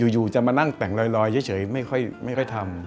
อยู่จะมานั่งแต่งลอยเฉยไม่ค่อยทำ